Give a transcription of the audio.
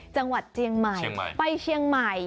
จังหวัดเจียงใหม่ไปเชียงใหม่